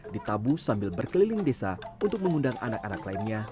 ditabuh sambil berkeliling desa untuk mengundang anak anak lainnya